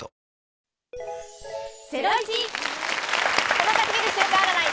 細かすぎる週間占い。